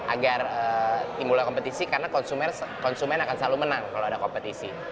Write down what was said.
agar timbullah kompetisi karena konsumen akan selalu menang kalau ada kompetisi